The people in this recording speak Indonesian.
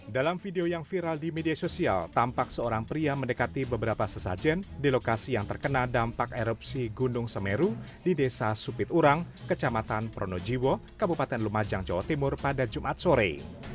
dalam video yang viral di media sosial tampak seorang pria mendekati beberapa sesajen di lokasi yang terkena dampak erupsi gunung semeru di desa supiturang kecamatan pronojiwo kabupaten lumajang jawa timur pada jumat sore